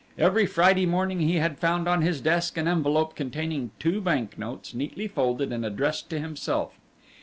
Every Friday morning he had found on his desk an envelope containing two bank notes neatly folded and addressed to himself.